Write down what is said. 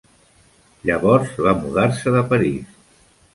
Llavors va mudar-se de París.